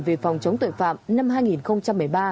về phòng chống tội phạm năm hai nghìn một mươi ba